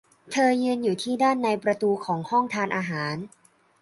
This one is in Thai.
เธอยืนอยู่ที่ด้านในประตูของห้องทานอาหาร